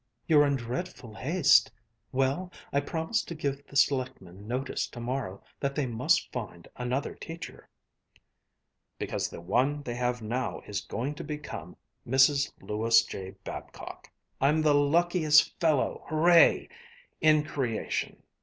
"You're in dreadful haste. Well, I'll promise to give the selectmen notice to morrow that they must find another teacher." "Because the one they have now is going to become Mrs. Lewis J. Babcock. I'm the luckiest fellow, hooray! in creation.